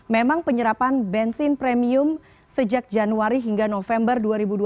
memang penyerapan bensin premium sejak januari hingga november dua ribu dua puluh